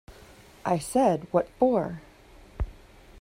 I said “What for?”’